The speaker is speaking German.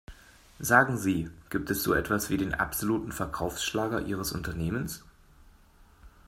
Sagen Sie, gibt es so etwas wie den absoluten Verkaufsschlager ihres Unternehmens?